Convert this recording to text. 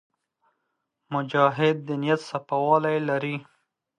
مجاهد د نیت صفاوالی لري.